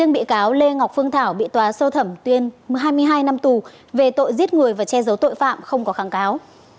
bị cáo lê ngọc phương thảo bị tòa sơ thẩm tuyên hai mươi hai năm tù về tội giết người và che giấu tội phạm không có kháng cáo